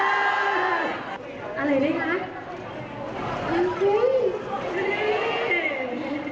อะไรด้วยคะ